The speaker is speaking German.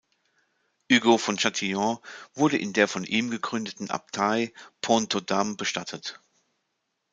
Hugo von Châtillon wurde in der von ihm gegründeten Abtei Pont-aux-Dames bestattet.